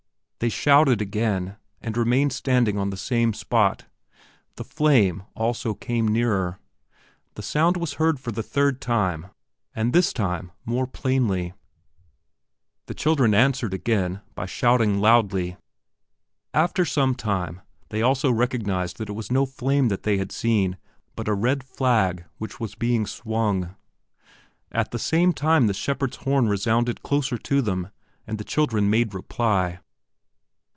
They shouted again and remained standing on the same spot. The flame also came nearer. The sound was heard for the third time, and this time more plainly. The children answered again by shouting loudly. After some time, they also recognized that it was no flame they had seen but a red flag which was being swung. At the same time the shepherd's horn resounded closer to them and the children made reply.